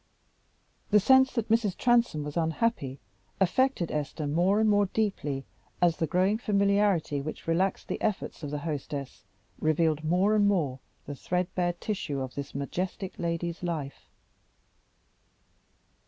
The sense that Mrs. Transome was unhappy, affected Esther more and more deeply as the growing familiarity which relaxed the efforts of the hostess revealed more and more the threadbare tissue of this majestic lady's life.